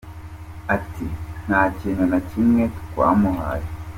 Ati “Nta kintu na kimwe twamuhaye….